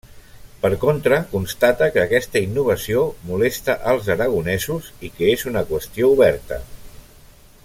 Per contra constata que aquesta innovació molesta als aragonesos i que és una qüestió oberta.